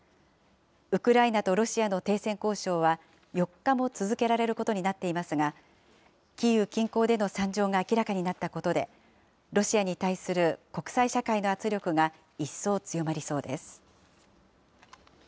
ウクライナとロシアの停戦交渉は４日も続けられることになっていますが、キーウ近郊での惨状が明らかになったことで、ロシアに対する国際社会の圧力が一層強まりそうです。